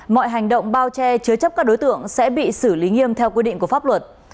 mọi hành động bao che chứa chấp các đối tượng sẽ bị xử lý nghiêm theo quy định của pháp luật